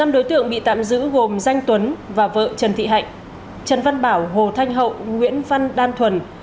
năm đối tượng bị tạm giữ gồm danh tuấn và vợ trần thị hạnh trần văn bảo hồ thanh hậu nguyễn văn đan thuần